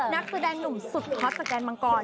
นักแสดงนุ่มสุดคอสแสดงมังกร